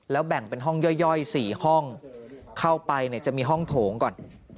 แบ่งเป็นห้องย่อย๔ห้องเข้าไปเนี่ยจะมีห้องโถงก่อน